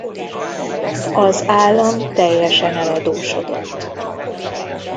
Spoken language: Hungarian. Az állam teljesen eladósodott.